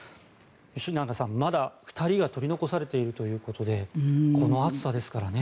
吉永さん、まだ２人が取り残されているということでこの暑さですからね。